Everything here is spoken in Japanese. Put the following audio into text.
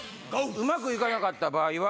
うまく行かなかった場合は。